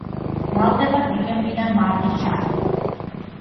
მრავლდება დეკემბრიდან მარტის ჩათვლით.